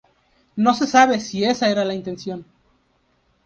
No se sabe si esa era la intención.